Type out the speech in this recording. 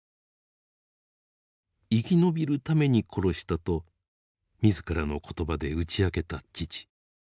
生き延びるために殺したと自らの言葉で打ち明けた父。